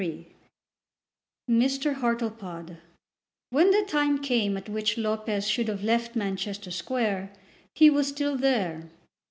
CHAPTER LIII Mr. Hartlepod When the time came at which Lopez should have left Manchester Square he was still there.